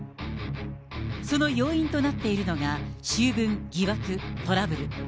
その要因となっているのが、醜聞、疑惑、トラブル。